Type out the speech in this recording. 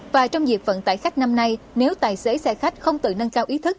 và trong dịp vận tải khách năm nay nếu tài xế xe khách không tự nâng cao ý thức